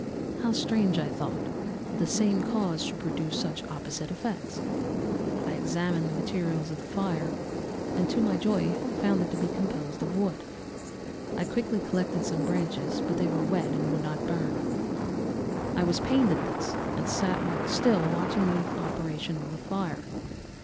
How strange, I thought, that the same cause should produce such opposite effects! I examined the materials of the fire, and to my joy found it to be composed of wood. I quickly collected some branches, but they were wet and would not burn. I was pained at this and sat still watching the operation of the fire.